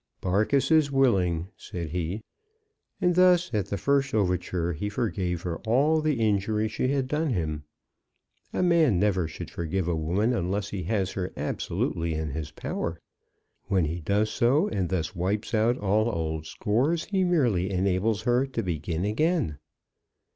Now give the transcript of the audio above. "Barkis is willing," said he. And thus, at the first overture, he forgave her all the injury she had done him. A man never should forgive a woman unless he has her absolutely in his power. When he does so, and thus wipes out all old scores, he merely enables her to begin again.